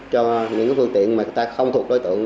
cho những phương tiện mà người ta không thuộc đối tượng